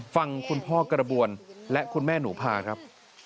ฟังคุณพ่อกระบวนและคุณแม่หนูพาครับ